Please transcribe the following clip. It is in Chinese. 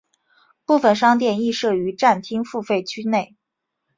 部分商店亦设于站厅付费区内。